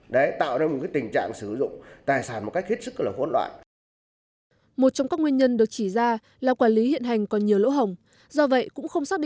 do vậy cũng không xác định được tài sản công của nhà nước